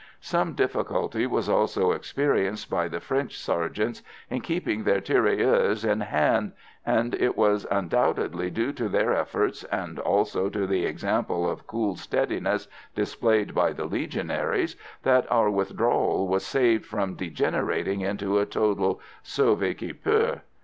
Some difficulty was also experienced by the French sergeants in keeping their tirailleurs in hand, and it was undoubtedly due to their efforts, and also to the example of cool steadiness displayed by the Legionaries, that our withdrawal was saved from degenerating into a total sauve qui peut.